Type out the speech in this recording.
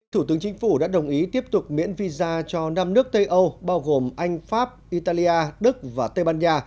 thủ tướng chính phủ đã đồng ý tiếp tục miễn visa cho năm nước tây âu bao gồm anh pháp italia đức và tây ban nha